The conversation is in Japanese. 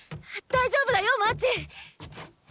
大丈夫だよマーチ！